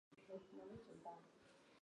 清朝时用作贵族妇女的称谓。